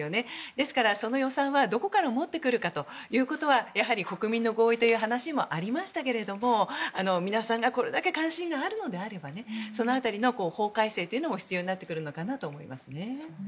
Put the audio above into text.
ですからその予算はどこから持ってくるかというのは国民の合意という話もありましたが皆さんがこれだけ関心があるのであればその辺りの法改正も必要になってくるかなと思いますね。